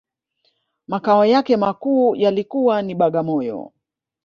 Makao yake makuu yalikuwa ni Bagamoyo